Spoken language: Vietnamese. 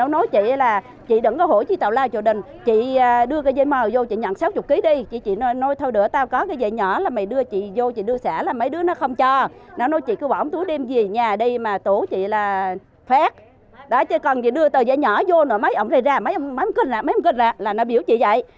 nói vô rồi mấy ông đây ra mấy ông kinh ra mấy ông kinh ra là nó biểu chị vậy